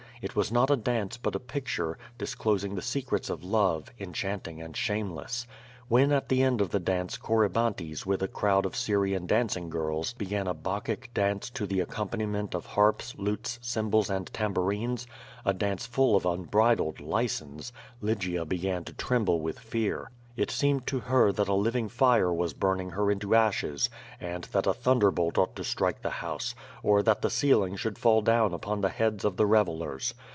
It was not a dance but a picture, disclosing the secrets of love, enchanting and shameless. When at the end of the dance Corybantes with a crowd of Syrian dancing girls began a Bacchic dance to the accom paniment of harps, lutes, cymbals and tambourines, a dance full of unbridled license, Lygia began to tremble with fear. It seemed to her that a living fire was burning her into ashes and that a thunderbolt ought to strike the house, or that the ceiling should fall down upon the heads of the revellers.